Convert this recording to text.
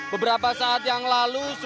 beberapa saat yang lalu